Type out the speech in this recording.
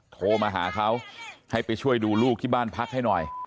โทรมาหาเขาให้ไปช่วยดูลูกที่บ้านพักให้หน่อย